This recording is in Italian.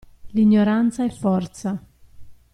L'ignoranza è forza.